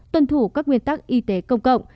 tuân thủ các nguyên tắc y tế công cộng